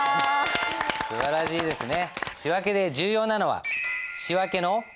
すばらしいですね。